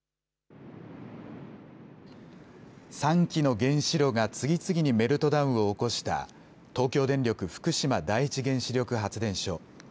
３基の原子炉が次々にメルトダウンを起こした東京電力福島第一原子力発電所。